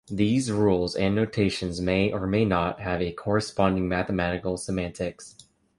These rules and notations may or may not have a corresponding mathematical semantics.